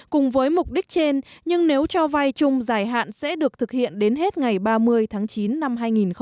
cùng với mục đích trên nhưng nếu cho vai chung giải hạn sẽ được thực hiện đến hết ngày ba mươi tháng chín năm hai nghìn một mươi chín